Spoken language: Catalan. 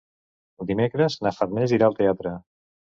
Dimecres na Farners irà al teatre.